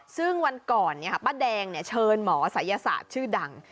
ซึ่งวันก่อนป้าแดงเชิญหมอศัยศาสตร์ชื่อดัง